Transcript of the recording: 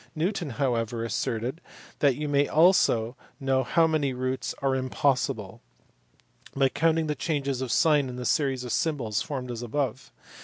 Newton however asserted that "you may almost know how many roots are impossible" by counting the changes of sign in the series of symbols formed as above.